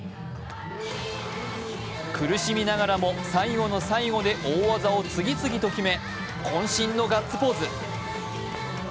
苦しみながらも最後の最後で大技を次々と決めこん身のガッツポーズ。